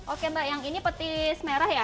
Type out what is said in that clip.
oke mbak yang ini petis merah ya